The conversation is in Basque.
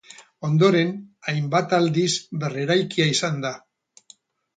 Ondoren hainbat aldiz berreraikia izan da.